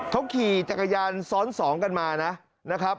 เขาขี่จักรยานซ้อนสองกันมานะครับ